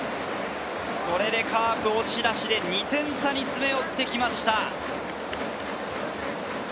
これでカープ、押し出しで２点差に詰め寄って来ました。